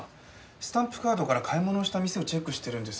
スタンプカードから買い物した店をチェックしてるんです。